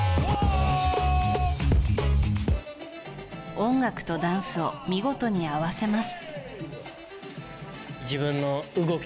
音楽とダンスを見事に合わせます。